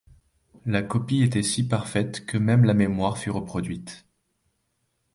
La copie était si parfaite que même la mémoire fut reproduite.